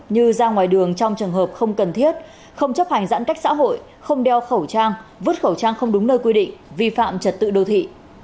như ra ngoài đường trong trường hợp không cần thiết không chấp hành giãn cách xã hội không đeo khẩu trang vứt khẩu trang không đúng nơi quy định vi phạm trật tự đô thị